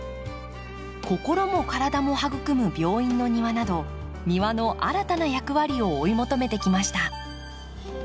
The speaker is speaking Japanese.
心も体も育む病院の庭など庭の新たな役割を追い求めてきました。